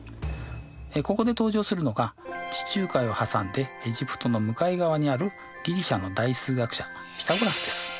ここで登場するのが地中海を挟んでエジプトの向かい側にあるギリシャの大数学者ピタゴラスです。